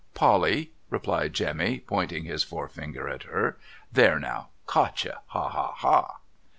' Polly !' replied Jemmy, pointing his forefinger at her. ' There now ! Caught you ! Ha, ha, ha